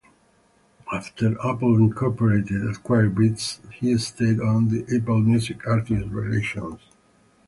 After Apple Incorporated acquired Beats, he stayed on in Apple Music Artist Relations.